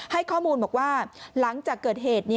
ให้ข้อมูลบอกว่าหลังจากเกิดเหตุ